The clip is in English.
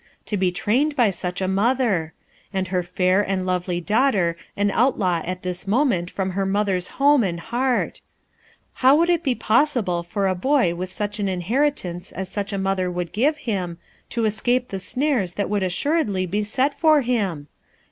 to be trained by such a mother ! and her fair and lovely daughter an outlaw at this moment from her mother's home and heart I How would it be possible for a boy with such an inheritance as such a mother would give him, to escape the snares that would AN ALLY 317 assuredly be set for him?